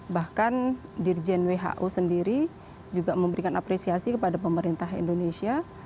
bahkan dirjen who sendiri juga memberikan apresiasi kepada pemerintah indonesia